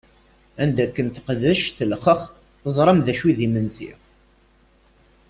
Anda akken teqdec telxex, teẓṛam dacu i d-imensi!